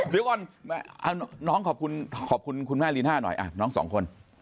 เดี๋ยวก่อนน้องขอบคุณคุณแม่รีน่าหน่อยน้องสองคน